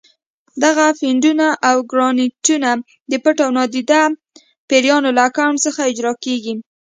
دغه فنډونه او ګرانټونه د پټو او نادیده پیریانو له اکاونټ څخه اجرا کېږي.